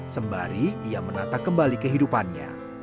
sembari ia menata kembali kehidupannya